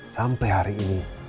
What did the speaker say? sampai hari ini